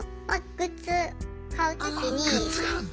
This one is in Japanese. グッズがあるんだ。